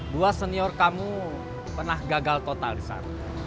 buah senior kamu pernah gagal totalisasi